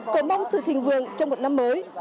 có mong sự thành vượng trong một năm mới